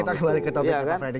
kita kembali ke taufik pak fred